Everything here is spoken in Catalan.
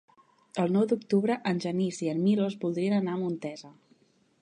El nou d'octubre en Genís i en Milos voldrien anar a Montesa.